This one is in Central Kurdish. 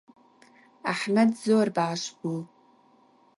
ئەحمەد زۆر باش بوو.